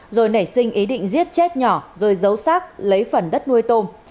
rồi nảy sinh ý định giết chết nhỏ rồi giấu sát lấy phần đất nuôi tôm